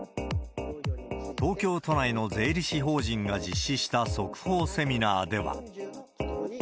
東京都内の税理士法人が実施した速報セミナーでは。